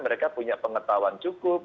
mereka punya pengetahuan cukup